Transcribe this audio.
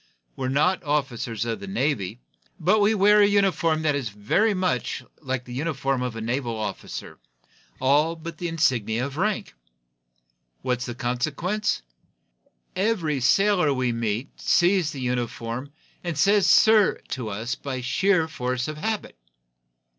We're not officers of the Navy, but we wear a uniform that is very much like the uniform of a naval officer, all but the insignia of rank. What is the consequence? Every sailor we meet sees the uniform, and says 'sir' to us by sheer force of habit.